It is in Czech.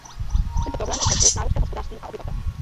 Tento problém se zhoršuje s nárůstem hospodářství a obyvatel.